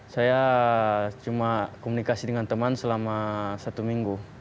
saya cuma komunikasi dengan teman selama satu minggu